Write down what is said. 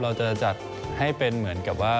เราจะจัดให้เป็นเหมือนกับว่า